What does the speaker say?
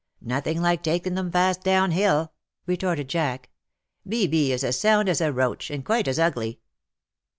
''''*^ Nothing like taking them fast down hill/^ retorted Jack. " B. B. is as sound as a roach — and quite as ugly."